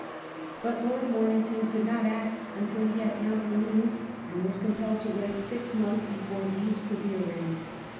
But Lord Momington could not act until he had ample means, and was compelled to wait six months before these could be arrayed.